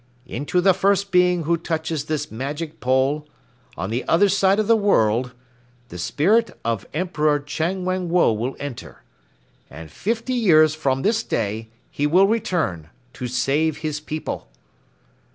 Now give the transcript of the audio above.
"Into the first being who touches this magic pole on the other side of the world the spirit of Emperor Chang Wang Woe will enter. And fifty years from this day, he will return to save his people."